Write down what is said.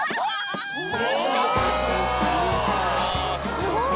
すごい！